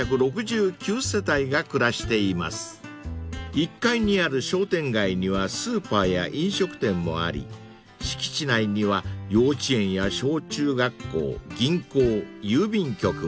［１階にある商店街にはスーパーや飲食店もあり敷地内には幼稚園や小中学校銀行郵便局も］